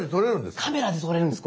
カメラで撮れるんです。